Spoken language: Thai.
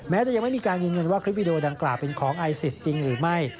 จะยังไม่มีการยืนยันว่าคลิปวิดีโอดังกล่าวเป็นของไอซิสจริงหรือไม่